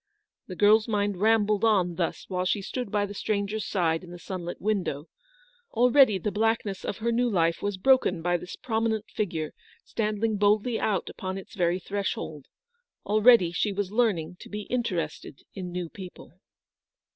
The girl's mind rambled on thus while she stood by the stranger's side in the sunlit window. Already the blackness of her new life was broken by this prominent figure standing boldly out upon its very threshold. Already she was learning to be interested in new people.